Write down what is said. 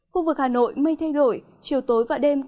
khu vực hà nội mây thay đổi chiều tối và đêm